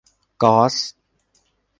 ก๊อซ